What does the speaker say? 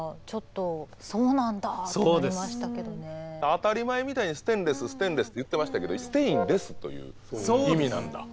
当たり前みたいにステンレスステンレスって言ってましたけど「ステインレス」という意味なんだ。